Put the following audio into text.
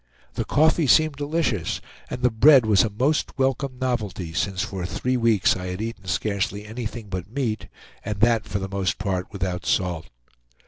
The coffee seemed delicious, and the bread was a most welcome novelty, since for three weeks I had eaten scarcely anything but meat, and that for the most part without salt.